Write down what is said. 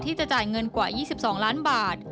จะจ่ายเงินกว่า๒๒ล้านบาท